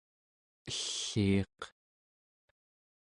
elliiq